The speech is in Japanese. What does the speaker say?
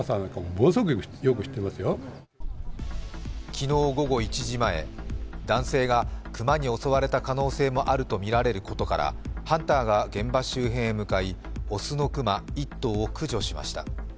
昨日午後１時前、男性が熊に襲われた可能性があることからハンターが現場周辺へ向かい、雄の熊１頭を駆除しました。